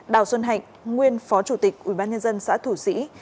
đào xuân hạnh nguyên phó chủ tịch ubnd xã thủ sĩ